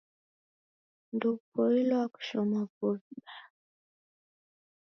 Ndoupoilwa kushoma vuo vibaha